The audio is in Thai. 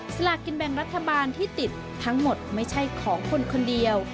สลากินแบ่งรัฐบาลที่ติดทั้งหมดไม่ใช่ของคนคนเดียว